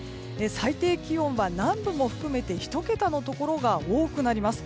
最低気温は南部も含めて１桁のところが多くなります。